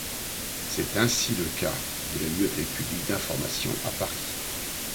C'est ainsi le cas de la Bibliothèque publique d'information à Paris.